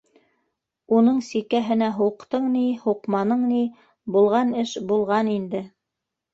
Уның сикәһенә һуҡтың ни, һуҡманың ни, булған эш булған инде.